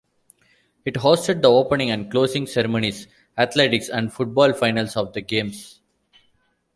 It hosted the opening and closing ceremonies, athletics, and football finals of the Games.